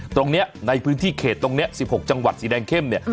ตรงนี้ในพื้นที่เขตตรงนี้๑๖จังหวัดสีแดงเข้มเนี่ย